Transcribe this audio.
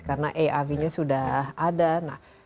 karena arv nya sudah ada